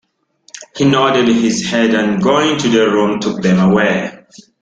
He nodded his head, and going into the room took them away.